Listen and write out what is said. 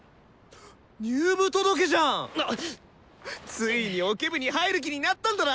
ついにオケ部に入る気になったんだな！